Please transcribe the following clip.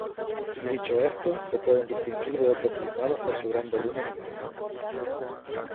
Dicho esto, se pueden distinguir de otros blindados por su gran volumen y masa.